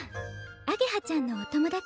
あげはちゃんのお友達？